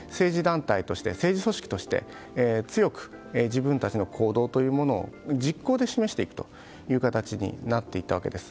政治組織として強く自分たちの行動を実行で示していくという形になっていったわけです。